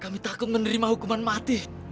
kami takut menerima hukuman mati